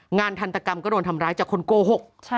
ทันตกรรมก็โดนทำร้ายจากคนโกหก